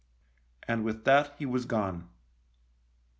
And with that he was gone.